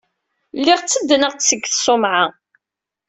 Lliɣ tteddneɣ-d seg tṣumɛa.